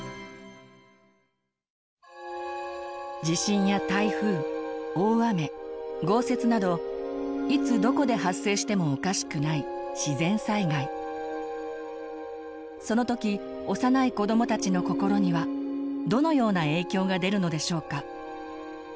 地震や台風大雨豪雪などいつどこで発生してもおかしくないその時幼い子どもたちの心にはどのような影響が出るのでしょうか？